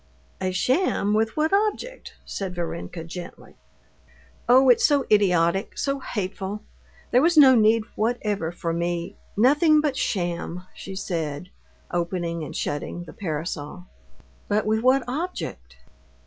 "A sham! with what object?" said Varenka gently. "Oh, it's so idiotic! so hateful! There was no need whatever for me.... Nothing but sham!" she said, opening and shutting the parasol. "But with what object?"